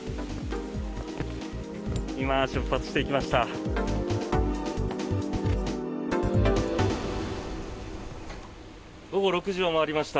今、出発していきました。